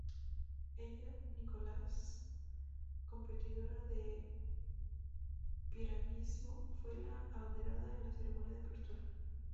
Ella Nicholas, competidora de piragüismo, fue la abanderada en la ceremonia de apertura.